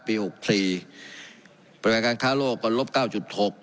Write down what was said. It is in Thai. หกสี่ปริมาณการค้าโลกก็ลบเก้าจุดหก